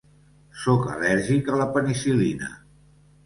Sóc al·lèrgic a la penicil·lina.